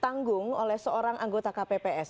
tanggung oleh seorang anggota kpps